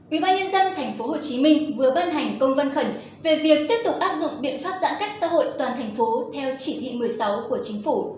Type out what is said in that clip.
ubnd tp hcm vừa ban hành công văn khẩn về việc tiếp tục áp dụng biện pháp giãn cách xã hội toàn thành phố theo chỉ thị một mươi sáu của chính phủ